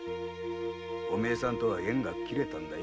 お前さんとは縁が切れたんだよ。